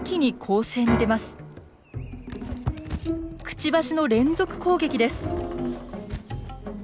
くちばしの連続攻撃です。